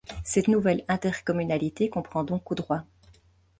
Cette nouvelle intercommunalité comprend dont Coudroy.